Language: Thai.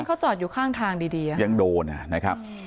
เขาจอดอยู่ข้างทางดียังโดนนะครับ